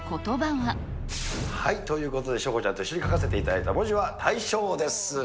はい、ということで、翔子ちゃんと一緒に書かせていただいた文字は、大笑です。